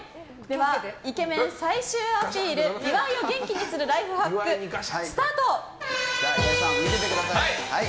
では、イケメン最終アピール岩井を元気にするライフハックスタート。